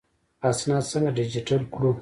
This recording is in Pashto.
اسناد څنګه ډیجیټل کړو؟